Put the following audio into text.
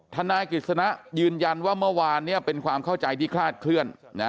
ทนายกฤษณะยืนยันว่าเมื่อวานเป็นความเข้าใจที่คลาดเคลื่อน